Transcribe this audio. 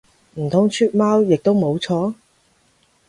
唔通出貓亦都冇錯？